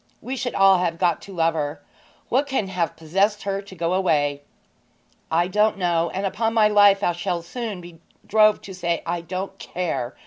We should all have got to love her. What can have possessed her to go away?' 'I don't know, and, upon my life, I shall soon be drove to say I don't care!'